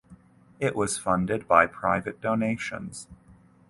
It was funded by private donations.